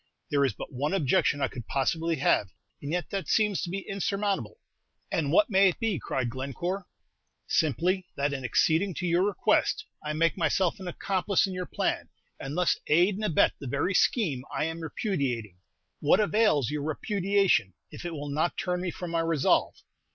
"There is but one objection I could possibly have, and yet that seems to be insurmountable." "And what may it be?" cried Glencore. "Simply, that in acceding to your request, I make myself an accomplice in your plan, and thus aid and abet the very scheme I am repudiating." "What avails your repudiation if it will not turn me from my resolve?